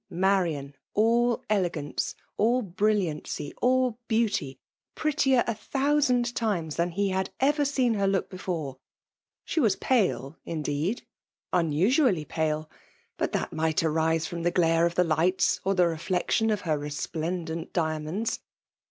Marian, all elnganoe^ all briUianfly, all heauty — prettier, a thonaaad times, than he had over seen her look hefiare ! She mns pale, aMbed,— unuanaUy pale ; bnt thai nu|^ arise finm the ghae of the lighhi, or the reieotian of her resplendent diamonds.